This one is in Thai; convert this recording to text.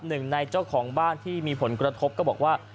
หนึ่งในเจ้าของบ้านที่มีผลกระทบก็บอกว่า